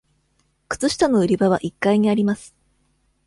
靴下の売り場は一階にあります。